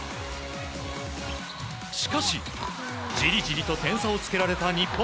しかし、じりじりと点差をつけられた日本。